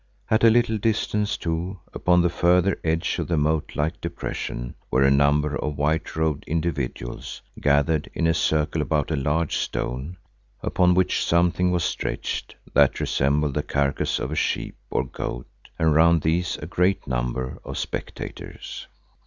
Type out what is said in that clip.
At a little distance too, upon the further edge of the moat like depression were a number of white robed individuals gathered in a circle about a large stone upon which something was stretched that resembled the carcase of a sheep or goat, and round these a great number of spectators.